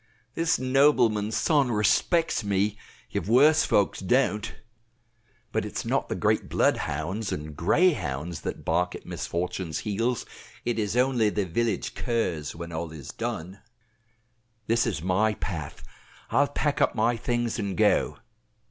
"This nobleman's son respects me if worse folk don't. But it is not the great bloodhounds and greyhounds that bark at misfortune's heels, it is only the village curs, when all is done. This is my path. I'll pack up my things and go."